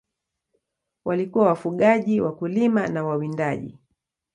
Walikuwa wafugaji, wakulima na wawindaji.